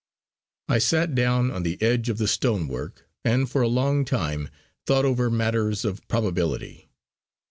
I sat down on the edge of the stonework and for a long time thought over matters of probability.